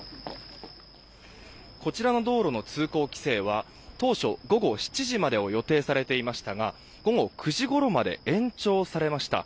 こちらの道路の通行規制は当初午後７時までを予定されていましたが午後９時ごろまで延長されました。